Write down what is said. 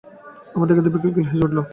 আমাকে দেখেই দিপা খিলখিল করে হেসে উঠল।